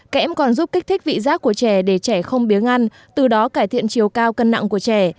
kẽm còn giúp kích thích vị rác của trẻ để trẻ không biếng ăn từ đó cải thiện chiều cao cân nặng của trẻ